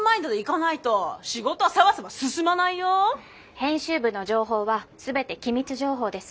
編集部の情報は全て機密情報です。